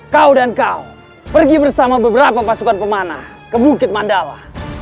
kau dan kau pergi bersama beberapa pasukan pemanah ke bukit mandala